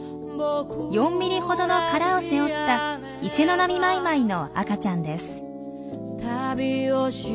４ｍｍほどの殻を背負ったイセノナミマイマイの赤ちゃんです。